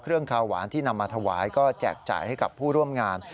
ข้าวหวานที่นำมาถวายก็แจกจ่ายให้กับผู้ร่วมงาน